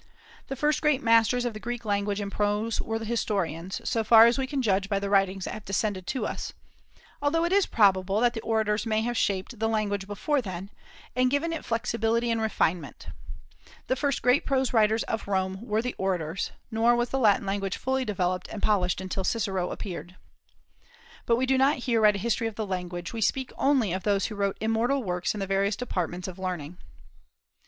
The first great masters of the Greek language in prose were the historians, so far as we can judge by the writings that have descended to us, although it is probable that the orators may have shaped the language before them, and given it flexibility and refinement The first great prose writers of Rome were the orators; nor was the Latin language fully developed and polished until Cicero appeared. But we do not here write a history of the language; we speak only of those who wrote immortal works in the various departments of learning.